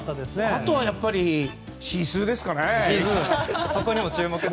あとはやっぱりシースーですかね。